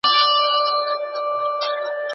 ماشينونه د توليد پروسه اسانه کوي.